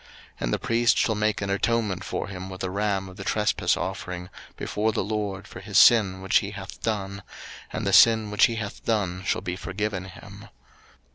03:019:022 And the priest shall make an atonement for him with the ram of the trespass offering before the LORD for his sin which he hath done: and the sin which he hath done shall be forgiven him.